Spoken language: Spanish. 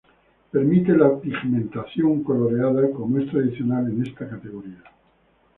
Permite la pigmentación coloreada, como es tradicional en esta categoría.